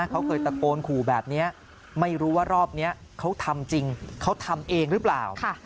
เขาเคยตะโกนขู่แบบนี้ไม่รู้ว่ารอบนี้เขาทำจริงเขาทำเองหรือเปล่า